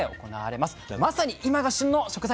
まさに今が旬の食材です。